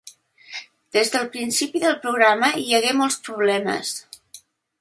Des del principi del programa hi hagué molts problemes.